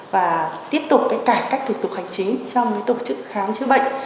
và tiếp tục cải cách tục tục hành chính trong tổ chức khám chứa bệnh